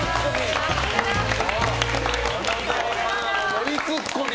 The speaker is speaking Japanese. ノリツッコミ！